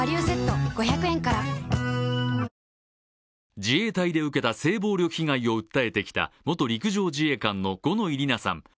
自衛隊で受けた性暴力被害を訴えてきた元陸上自衛官の五ノ井里奈さん。